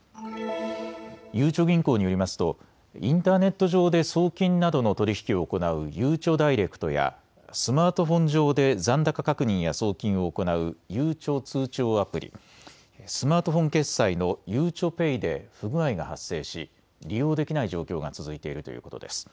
ゆうちょ銀行によりますとインターネット上で送金などの取り引きを行うゆうちょダイレクトやスマートフォン上で残高確認や送金を行うゆうちょ通帳アプリ、スマートフォン決済のゆうちょＰａｙで不具合が発生し利用できない状況が続いているということです。